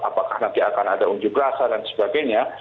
apakah nanti akan ada unjuk rasa dan sebagainya